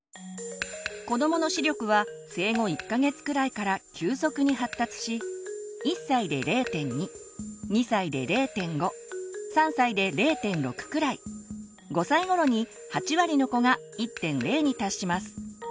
子どもの視力は生後１か月くらいから急速に発達し１歳で０．２２歳で０．５３歳で０．６くらい５歳頃に８割の子が１．０に達します。